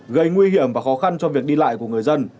gây nguy hiểm và khó khăn cho việc đi lại của người dân